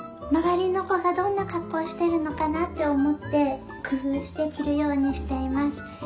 周りの子がどんな格好してるのかなって思って工夫して着るようにしています。